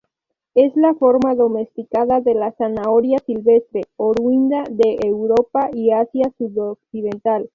Es la forma domesticada de la zanahoria silvestre, oriunda de Europa y Asia sudoccidental.